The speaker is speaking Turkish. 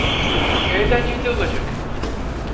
Eğlenceli olacak.